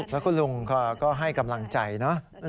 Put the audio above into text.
แล้วคุณลุงก็ให้กำลังใจเนอะ